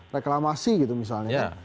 reklamasi gitu misalnya